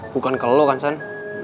bukan ke lo kan sun